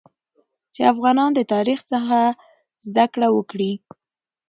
چې افغانان د تاریخ څخه زده کړه وکړي